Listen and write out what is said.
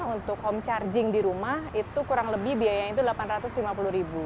untuk home charging di rumah itu kurang lebih biayanya itu rp delapan ratus lima puluh